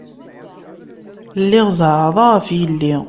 Lliɣ zeɛɛḍeɣ ɣef yelli.